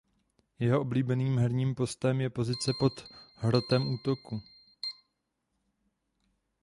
Jeho oblíbeným herním postem je pozice pod hrotem útoku.